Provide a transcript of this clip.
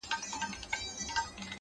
• داسي ولاړ سي لکه نه وي چي راغلی ,